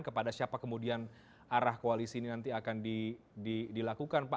kepada siapa kemudian arah koalisi ini nanti akan dilakukan pak